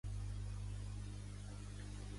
Pertany al moviment independentista l'Alf?